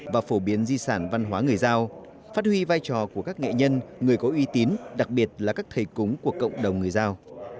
và phổ biến di sản văn hóa người giao phát huy vai trò của các nghệ nhân người có uy tín đặc biệt là các thầy cúng của cộng đồng người giao